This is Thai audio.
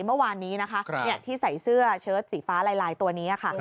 เมื่อวานนี้นะคะที่ใส่เสื้อเชิดสีฟ้าลายตัวนี้ค่ะ